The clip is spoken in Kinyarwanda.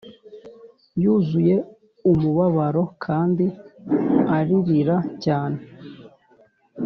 yuzuye umubabaro kandi aririra cyane